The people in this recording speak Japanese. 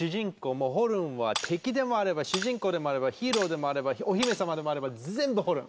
ホルンは敵でもあれば主人公でもあればヒーローでもあればお姫様でもあれば全部ホルン！